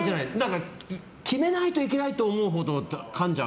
決めないといけないと思うほどかんじゃう。